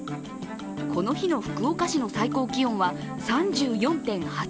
この日の福岡市の最高気温は３４．８度。